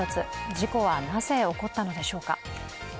事故は、なぜ起こったのでしょうか？